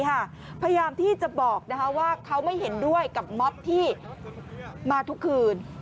พยายามที่จะบอกว่าเขาไม่เห็นด้วยกับม็อบที่มาทุกคืน